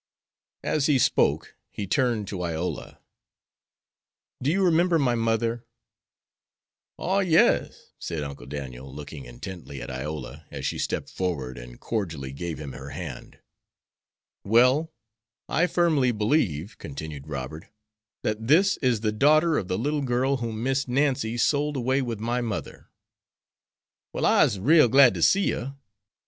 As he spoke he turned to Iola. "Do you remember my mother?" "Oh, yes," said Uncle Daniel, looking intently at Iola as she stepped forward and cordially gave him her hand. "Well, I firmly believe," continued Robert, "that this is the daughter of the little girl whom Miss Nancy sold away with my mother." "Well, I'se rale glad ter see her.